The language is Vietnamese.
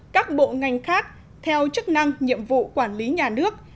một mươi ba các bộ ngành khác theo chức năng nhiệm vụ quản lý nhà nước